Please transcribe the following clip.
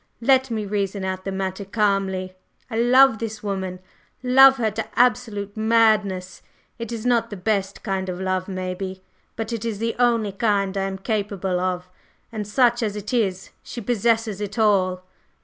Let me reason out the matter calmly. I love this woman, love her to absolute madness. It is not the best kind of love, maybe, but it is the only kind I am capable of, and such as it is, she possesses it all.